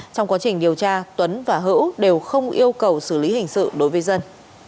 trong quá trình điều tra tuấn và hữu đều không yêu cầu xử lý hình sự đối với dân